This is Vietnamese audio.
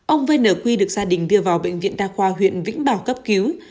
ông vn quy được gia đình đưa vào bệnh viện đa khoa huyện vĩnh bảo cấp cứu